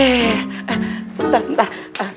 eh sebentar sebentar